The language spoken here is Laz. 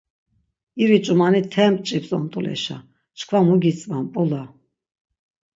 İri ç̌umani te mç̆ips ont̆uleşa, çkva mu gitzva mp̌ula.